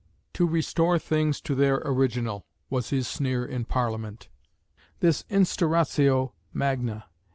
"To restore things to their original" was his sneer in Parliament, "this, _Instauratio Magna.